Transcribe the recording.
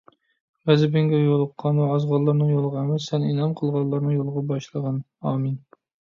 غەزىپىڭگە يولۇققان ۋە ئازغانلارنىڭ يولىغا ئەمەس سەن ئىنئام قىلغانلارنىڭ يولىغا باشلىغان.ئامىن